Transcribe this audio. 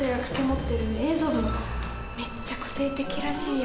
めっちゃ個性的らしいよ。